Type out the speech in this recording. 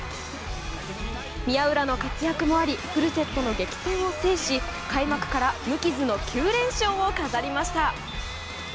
宮浦の活躍もありフルセットの激戦を制し開幕から無傷の９連勝を飾りました。